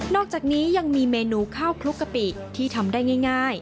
อกจากนี้ยังมีเมนูข้าวคลุกกะปิที่ทำได้ง่าย